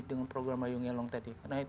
dengan program payung yelong tadi